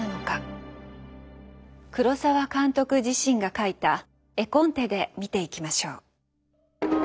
黒澤監督自身が描いた絵コンテで見ていきましょう。